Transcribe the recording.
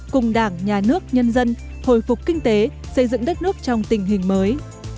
cùng đảng nhà nước nhân dân hồi phục kinh tế xây dựng đất nước trong tình hình mới